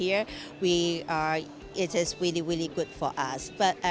ini sangat sangat baik untuk kita